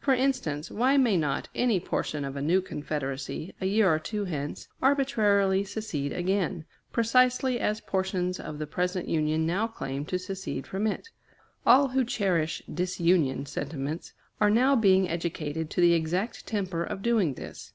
For instance, why may not any portion of a new Confederacy, a year or two hence, arbitrarily secede again, precisely as portions of the present Union now claim to secede from it? All who cherish disunion sentiments are now being educated to the exact temper of doing this.